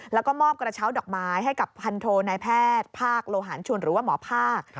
แล้วก็มอบกระเช้าดอกไม้ให้กับพันโทนายแพทย์ภาคโลหารชุนหรือว่าหมอภาค